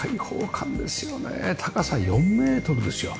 高さ４メートルですよ。